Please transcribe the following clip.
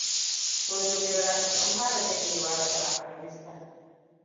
Sojojin Rasha sun fara janyewa daga Afghanistan.